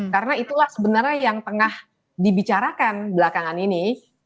karena itulah sebenarnya yang tengah dibicarakan belakangan ini